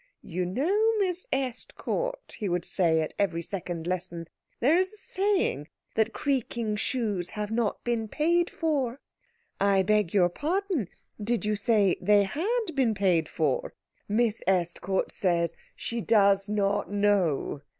"You know, Miss Estcourt," he would say at every second lesson, "there is a saying that creaking shoes have not been paid for. I beg your pardon? Did you say they had been paid for? Miss Estcourt says she does not know."